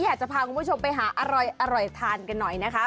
อยากจะพาคุณผู้ชมไปหาอร่อยทานกันหน่อยนะคะ